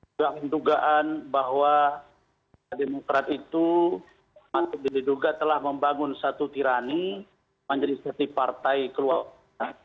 nah tidak mendugaan bahwa demokrat itu tidak diduga telah membangun satu tirani menjadi partai keluarga